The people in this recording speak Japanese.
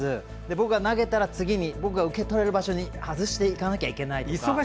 僕が投げたら次に僕が受け取れる場所に外していかなきゃいけないとか。